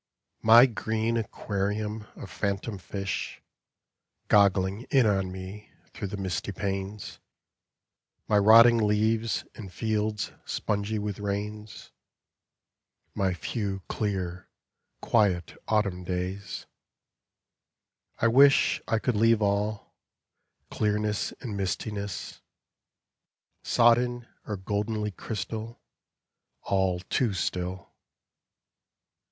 THE REEF. MY green aquarium of phantom fish, Goggling in on me through the misty panes ; My rotting leaves and fields spongy with rains ; My few clear quiet autumn days — I wish I could leave all, clearness and mistiness ; Sodden or goldenly crystal, all too still.